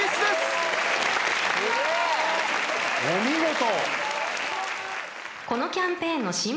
お見事。